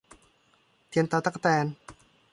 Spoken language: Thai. เทียนตาตั๊กแตน